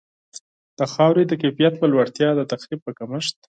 د خاورې د کیفیت په لوړتیا، د تخریب په کمښت.